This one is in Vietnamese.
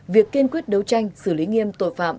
việc kiên quyết đấu tranh xử lý nghiêm tội phạm